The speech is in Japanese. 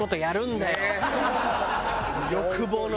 欲望の。